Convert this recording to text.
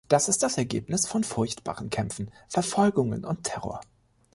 Das ist das Ergebnis von furchtbaren Kämpfen, Verfolgungen und Terror.